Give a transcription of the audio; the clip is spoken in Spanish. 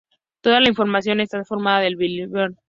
Toda la información está tomada de "Billboard".